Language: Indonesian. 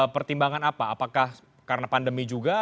pertimbangan apa apakah karena pandemi juga